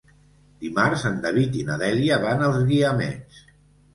Dimarts en David i na Dèlia van als Guiamets.